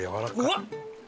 うわっ！